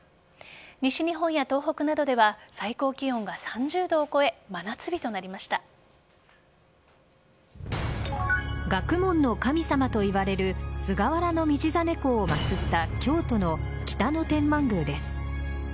西日本や東北などでは最高気温が３０度を超え学問の神様といわれる菅原道真公を祭った京都の北野天満宮です。